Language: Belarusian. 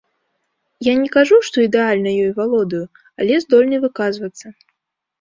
Я не кажу, што ідэальна ёй валодаю, але здольны выказвацца.